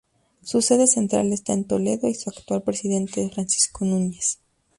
Su sede central está en Toledo y su actual presidente es Francisco Núñez.